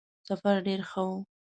سفر ډېر ښه وو.